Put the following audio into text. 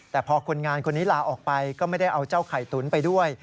แต่พอคนงานคนนี้ลาออกไปก็ไม่ได้เอาเจ้าไข่ตุ๋นไปด้วย